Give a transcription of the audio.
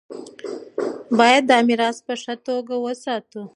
باید دا میراث په ښه توګه وساتو.